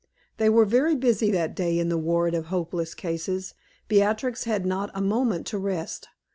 They were very busy that day in the ward of hopeless cases. Beatrix had not had a moment to rest.